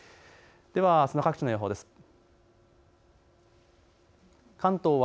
ではあすの各地の予想です。